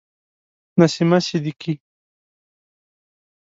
نسیمه صدیقی